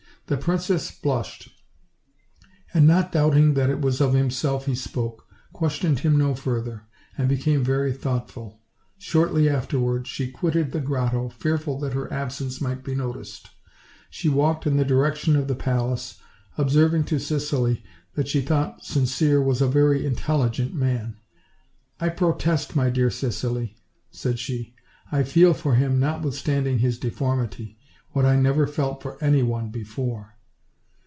The princess blushed, and not doubting that it was of himself he spoke, questioned him no further, and became very thoughtful; shortly afterward she quitted the grotto, fearful that her absence might be noticed. She walked in the direction of the palace, observing to Cicely that she thought Sincere was a very intelligent man. "I protest, my dear Cicely," said she, "I feel for him, notwithstanding his deformity, what I never felt for any one before."